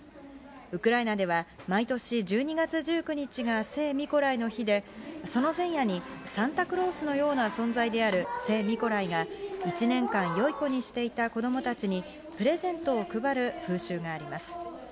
ウクライナでは、毎年１２月１９日が聖ミコライの日で、その前夜にサンタクロースのような存在である、聖ミコライが、１年間よい子にしていた子どもたちにプレゼントを配る風習があります。